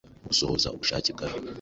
mu gusohoza ubushake bwayo.